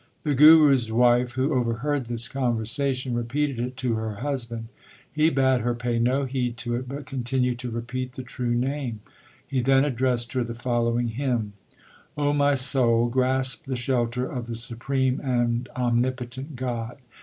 The Guru s wife, who overheard this conversation, repeated it to her husband. He bade her pay no heed to it but continue to repeat the true Name. He then addressed her the following hymn : O my soul, grasp the shelter of the Supreme and Omnipo tent God.